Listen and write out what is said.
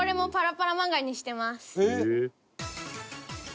えっ！